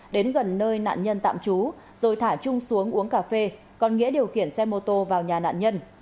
đến gần nơi nạn nhân tạm trú rồi thả chung xuống uống cà phê còn nghĩa điều khiển xe mô tô vào nhà nạn nhân